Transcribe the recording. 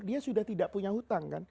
dia sudah tidak punya hutang kan